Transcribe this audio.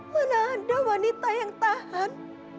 mana ada wanita yang tahan